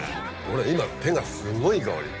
俺今手がすごいいい香り！